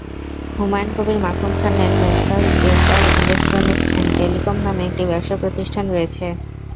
হুমায়ুন কবীর মাসুম খানের Messrs SR electronics and telecom নামে একটি ব্যবসাপ্রতিষ্ঠান রয়েছে।